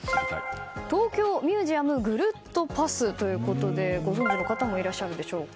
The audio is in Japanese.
東京・ミュージアムぐるっとパスということでご存じの方もいらっしゃるんでしょうか。